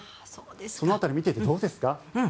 その辺り見ていてどうですか。